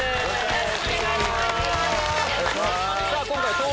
よろしくお願いします。